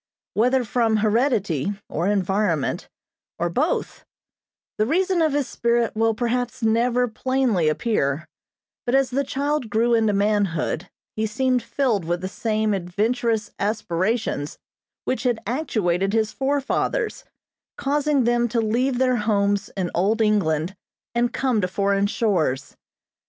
Whether from heredity, or environment, or both, the reason of his spirit will perhaps never plainly appear, but as the child grew into manhood he seemed filled with the same adventurous aspirations which had actuated his forefathers, causing them to leave their homes in old England, and come to foreign shores.